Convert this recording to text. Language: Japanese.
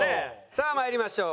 さあ参りましょう。